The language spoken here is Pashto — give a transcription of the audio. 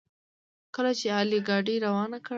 کله چې علي ګاډي روان کړ.